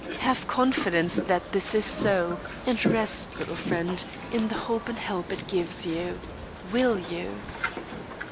Have confidence that this is so, and rest, little friend, in the hope and help it gives you. Will you?"